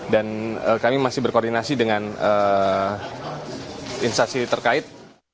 dan kami masih berkoordinasi dengan instasi terkait